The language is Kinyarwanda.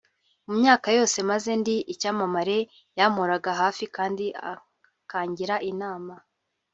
mu myaka yose maze ndi icyamamare yamporaga hafi kandi akangira inama